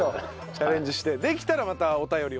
チャレンジしてできたらまたお便り送ってください。